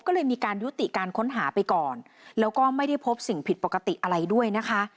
ก็เลยมีการยุติการค้นหาไปก่อนแล้วก็ไม่ได้พบสิ่งผิดปกติอะไรด้วยนะคะ